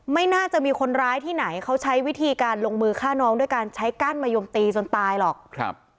ไม่น่าจะมีคนร้ายที่ไหนเขาใช้วิธีการลงมือฆ่าน้องด้วยการใช้กั้นมะยมตีจนตายหรอกครับ